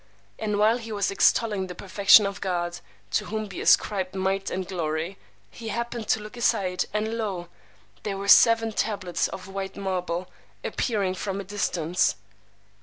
And while he was extolling the perfection of God, (to whom be ascribed might and glory!) he happened to look aside, and lo, there were seven tablets of white marble, appearing from a distance.